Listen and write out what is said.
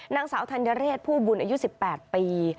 นางสาวธัญเรศผู้บุญอายุ๑๘ปี